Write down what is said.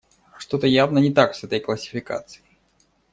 Что-то явно не так с этой классификацией.